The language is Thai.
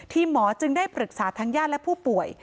หมอจึงได้ปรึกษาทางญาติและผู้ป่วย